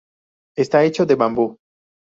Está hecho de bambú.